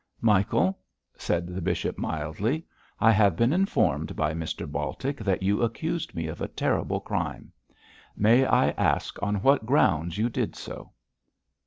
'Michael,' said the bishop, mildly, 'I have been informed by Mr Baltic that you accused me of a terrible crime. May I ask on what grounds you did so?'